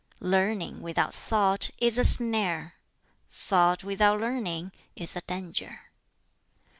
"Learning, without thought, is a snare; thought, without learning, is a danger.